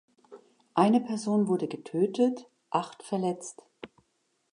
Eine Person wurde getötet, acht verletzt.